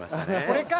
これか！